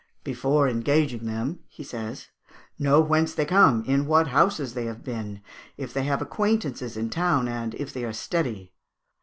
"Before engaging them," he says, "know whence they come; in what houses they have been; if they have acquaintances in town, and if they are steady.